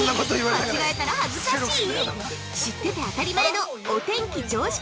間違えたら恥ずかしい！？